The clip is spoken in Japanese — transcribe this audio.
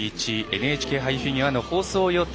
ＮＨＫ杯フィギュアの放送予定。